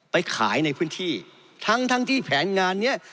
ไปขายในพื้นที่ทั้งทั้งที่แผนงานเนี้ย